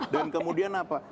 dan kemudian apa